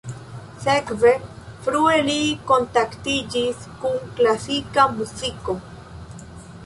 Sekve frue li kontaktiĝis kun klasika muziko.